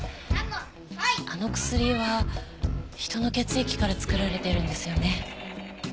あの薬は人の血液から作られているんですよね？